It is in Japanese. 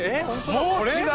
もう違う！